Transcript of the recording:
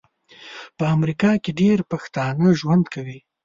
په امریکا کې ډیر پښتانه ژوند کوي